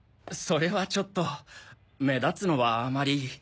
それはちょっと目立つのはあまり。